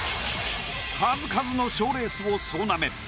数々の賞レースを総なめ。